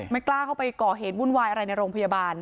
กล้าเข้าไปก่อเหตุวุ่นวายอะไรในโรงพยาบาล